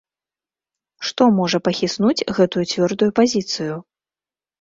Што можа пахіснуць гэтую цвёрдую пазіцыю?